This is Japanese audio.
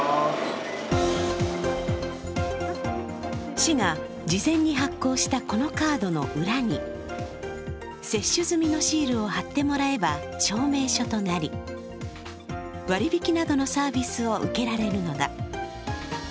市が事前に発行したこのカードの裏に接種済みのシールを貼ってもらえば証明書となり、割引などのサービスを受けられるのだ。